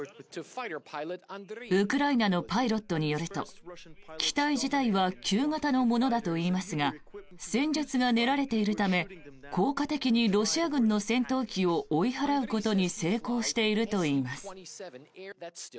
ウクライナのパイロットによると機体自体は旧型のものだといいますが戦術が練られているため効果的にロシア軍の戦闘機を追い払うことに成功しているといいます。